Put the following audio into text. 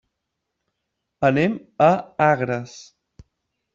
Anem a Agres.